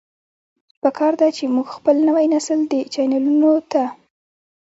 پکار ده چې مونږ خپل نوے نسل دې چيلنجونو ته